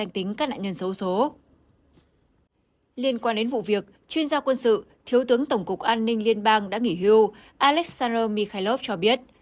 trong vụ việc chuyên gia quân sự thiếu tướng tổng cục an ninh liên bang đã nghỉ hưu alexander mikhailov cho biết